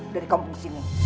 dari kampung sini